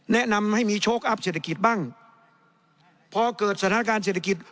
แนะนำให้มีโชคอัพเศรษฐกิจบ้างพอเกิดสถานการณ์เศรษฐกิจ